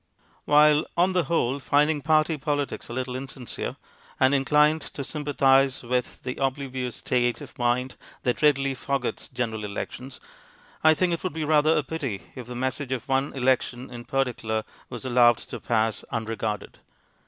WHILE, on the whole, finding party politics a little insincere, and inclined to sympathize with the oblivious state of mind that readily forgets General Elections, I think it would be rather a pity if the message of one election in particular was allowed to pass unregarded.